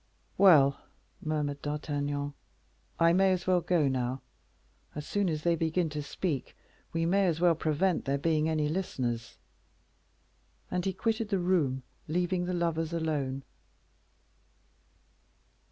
"Well," murmured D'Artagnan, "I may as well go now. As soon as they begin to speak, we may as well prevent there being any listeners." And he quitted the room, leaving the lovers alone.